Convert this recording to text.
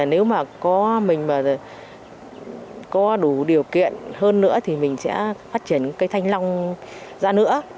nếu mình có đủ điều kiện hơn nữa thì mình sẽ phát triển cây thanh long ra nữa